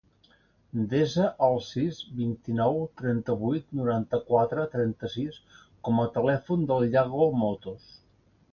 Desa el sis, vint-i-nou, trenta-vuit, noranta-quatre, trenta-sis com a telèfon del Yago Motos.